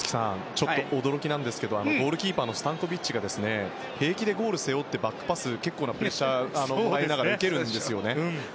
ちょっと驚きなんですがゴールキーパーのスタンコビッチが平気でゴールを背負ってバックパス結構なプレッシャーの中でも受けるんですよね。